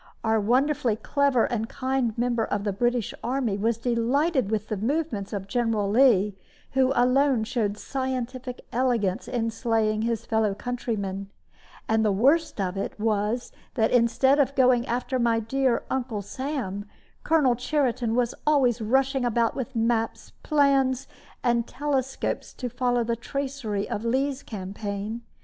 Our wonderfully clever and kind member of the British army was delighted with the movements of General Lee, who alone showed scientific elegance in slaying his fellow countrymen; and the worst of it was that instead of going after my dear Uncle Sam, Colonel Cheriton was always rushing about with maps, plans, and telescopes, to follow the tracery of Lee's campaign.